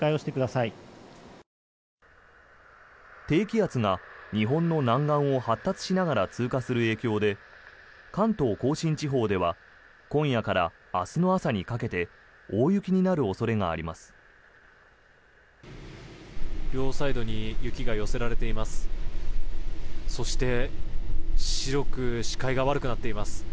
低気圧が日本の南岸を発達しながら通過する影響で関東・甲信地方では今夜から明日の朝にかけて大雪になる恐れがあります。